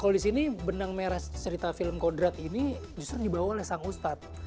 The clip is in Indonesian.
kalau disini benang merah cerita film kodrat ini justru dibawa oleh sang ustad